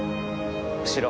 後ろ。